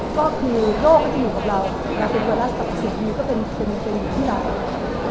ก็คือโลกก็จะอยู่กับเราแต่เป็นไวรัสตัวประสิทธิ์ก็เป็นอยู่ที่หลัง